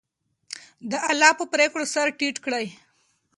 د الله په پرېکړو سر ټیټ کړئ.